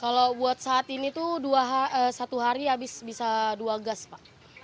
kalau buat saat ini tuh satu hari habis bisa dua gas pak